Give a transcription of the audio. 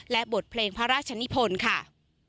และบทเพลงพระราชนิพลค่ะ